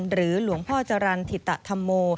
หรือหลวงพ่อจรันทิตตะธัมโม